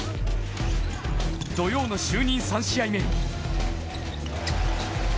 土曜の就任３試合目。